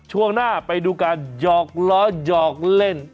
ช่วงหน้าไปดูการหยอกล้อหยอกเล่น